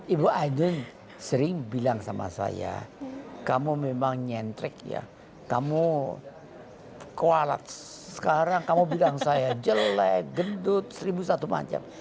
ibu ainun sering bilang sama saya kamu memang nyentrik ya kamu kualax sekarang kamu bilang saya jelek gendut seribu satu macam